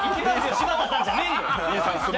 柴田さんじゃねえよ！